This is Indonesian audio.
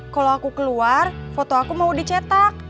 kalau aku keluar foto aku mau dicetak